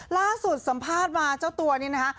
ล่าสุดสัมภาษณ์มาเจ้าตัวนี้นะคะ